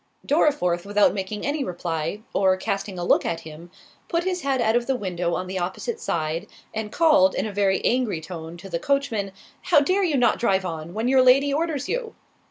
Dorriforth, without making any reply, or casting a look at him, put his head out of the window on the opposite side, and called, in a very angry tone, to the coachman, "How dare you not drive on, when your Lady orders you?"